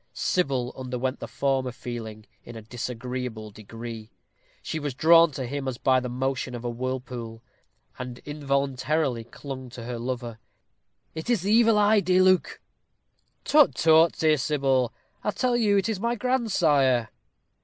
Sybil underwent the former feeling in a disagreeable degree. She was drawn to him as by the motion of a whirlpool, and involuntarily clung to her lover. "It is the Evil Eye, dear Luke." "Tut, tut, dear Sybil; I tell you it is my grandsire."